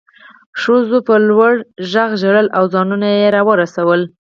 ښځو په لوړ غږ ژړل او ځانونه یې راورسول